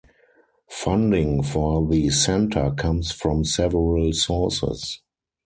Funding for the centre comes from several sources.